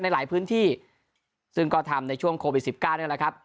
ในหลายพื้นที่ซึ่งก็ทำในช่วงโควิด๑๙นี่แหละครับ